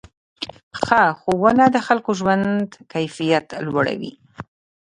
ښه ښوونه د خلکو ژوند کیفیت لوړوي.